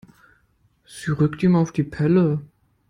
Sie rückt ihm auf die Pelle.